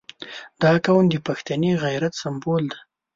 • دا قوم د پښتني غیرت سمبول دی.